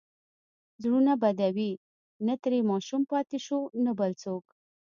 زړونه بدوي، نه ترې ماشوم پاتې شو، نه بل څوک.